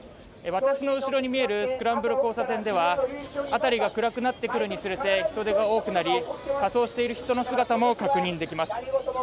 私の後ろに見えるスクランブル交差点では、辺りが暗くなってくるにつれて人出が多くなり仮装している人の姿も確認できます。